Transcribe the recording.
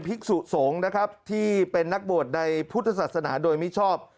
ภิกษุสงฆ์นะครับที่เป็นนักบวชในพุทธศาสนาโดยมิชอบ